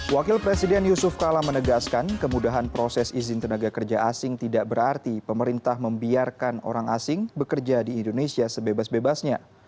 wakil presiden yusuf kala menegaskan kemudahan proses izin tenaga kerja asing tidak berarti pemerintah membiarkan orang asing bekerja di indonesia sebebas bebasnya